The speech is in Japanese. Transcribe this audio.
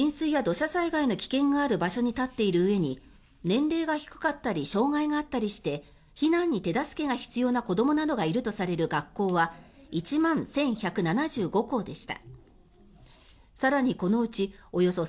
その結果浸水や土砂災害の危険がある場所に立っているうえに年齢が低かったり障害があったりして避難に手助けが必要な子どもがいるとされる学校は１万１１７５校でした。